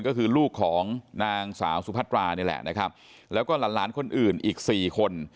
ก็คือลูกของนางสาวสุพัตรานี่แหละนะครับแล้วก็หลานคนอื่นอีกสี่คน